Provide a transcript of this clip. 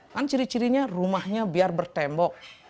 kan ciri cirinya rumahnya biar bertembok